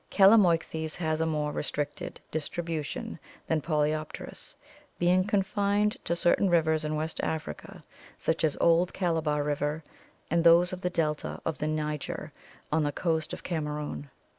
Calamoichthys has a more restricted distribution than Polypterus, being confined to certain rivers in West Africa such as Old Calabar River and those of the delta of the Niger on the coast of Kamerun.